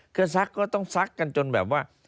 คือซักก็ต้องซักกันจนแบบว่า